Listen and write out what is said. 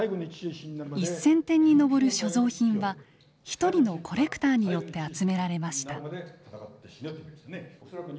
１，０００点に上る所蔵品は一人のコレクターによって集められました。